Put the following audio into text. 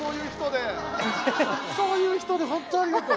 そういう人で本当ありがとう。